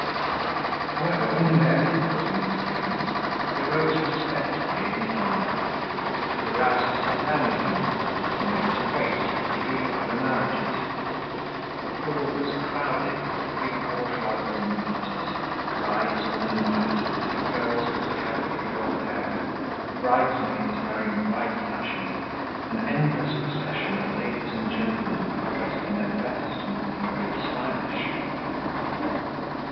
However, when the mayor did put in his appearance, they rose respectfully in his honor. They were asked to sit down again and they had to wait through three other marriages. The hall was crowded with the three bourgeois wedding parties: brides all in white, little girls with carefully curled hair, bridesmaids wearing wide sashes, an endless procession of ladies and gentlemen dressed in their best and looking very stylish.